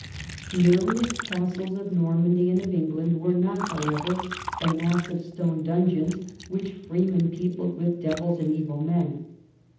The earliest castles of Normandy and of England were not, however, the massive stone donjons which Freeman peopled with devils and evil men.